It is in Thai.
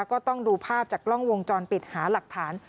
ก็ต้องดูภาพจากกล้องวงจรปิดหาหลักฐาน